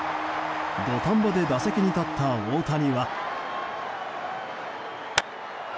土壇場で打席に立った大谷は。